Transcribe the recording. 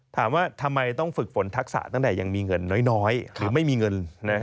ถามว่าทำไมต้องฝึกฝนทักษะตั้งแต่ยังมีเงินน้อยหรือไม่มีเงิน